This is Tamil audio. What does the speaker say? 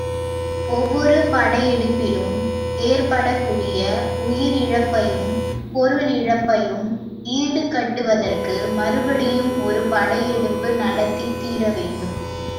ஒவ்வொரு படையெடுப்பிலும் ஏற்படக்கூடிய உயிரிழப்பையும், பொருள் இழப்பையும் ஈடுகட்டுவதற்கு மறுபடியும் ஒரு படையெடுப்பு நடத்தித் தீரவேண்டும்.